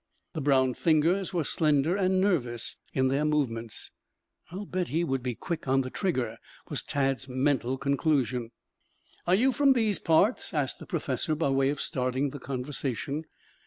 The brown fingers were slender and nervous in their movements. "I'll bet he would be quick on the trigger," was Tad's mental conclusion. "Are you from these parts?" asked the professor by way of starting the conversation.